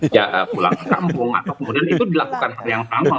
dia pulang ke kampung atau kemudian itu dilakukan hal yang sama